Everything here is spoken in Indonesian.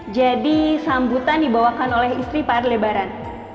jadi sambutan dibawakan oleh istri pak aldebaran